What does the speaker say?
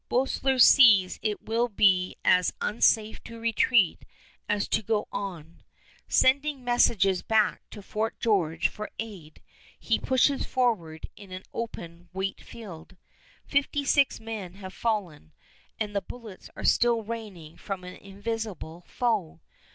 Boerstler sees it will be as unsafe to retreat as to go on. Sending messengers back to Fort George for aid, he pushes forward into an open wheat field. Fifty six men have fallen, and the bullets are still raining from an invisible foe.